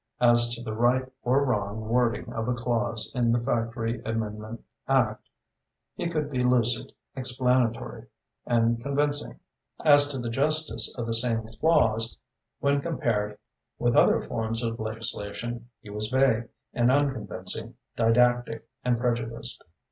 As to the right or wrong wording of a clause in the Factory Amendment Act, he could be lucid, explanatory and convincing; as to the justice of the same clause when compared with other forms of legislation, he was vague and unconvincing, didactic and prejudiced.